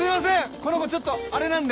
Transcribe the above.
この子ちょっとアレなんで。